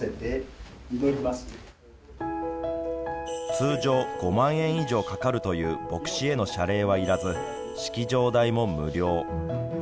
通常５万円以上かかるという牧師への謝礼は要らず式場代も無料。